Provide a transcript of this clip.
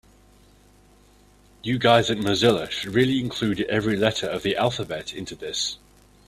You guys at Mozilla should really include every letter of the alphabet into this.